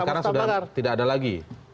dan sekarang sudah tidak ada lagi